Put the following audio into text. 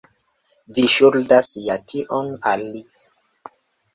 Vi ŝuldas ja tion al li.